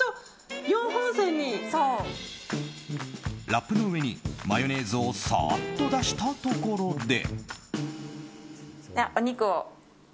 ラップの上にマヨネーズをサーッと出したところで。